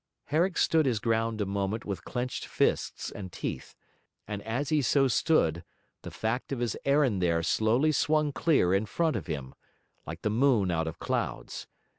Herrick stood his ground a moment with clenched fists and teeth; and as he so stood, the fact of his errand there slowly swung clear in front of him, like the moon out of clouds.